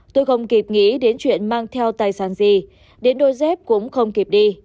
tôi không kịp nghĩ đến chuyện mang theo tài sản gì đến đôi dép cũng không kịp đi